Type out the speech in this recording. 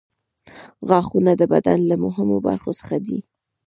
غاښونه د بدن له مهمو برخو څخه دي.